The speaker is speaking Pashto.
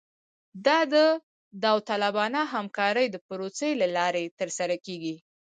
دا د داوطلبانه همکارۍ د پروسې له لارې ترسره کیږي